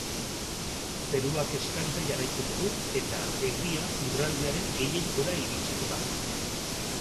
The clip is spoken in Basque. Zeruak estalita jarraituko du eta euria lurraldearen gehiengora iritsiko da.